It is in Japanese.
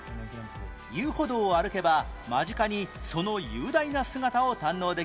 遊歩道を歩けば間近にその雄大な姿を堪能できます